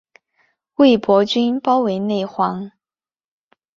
魏博军包围内黄。